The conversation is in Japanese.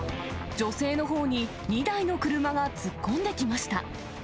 女性のほうに２台の車が突っ込んできました。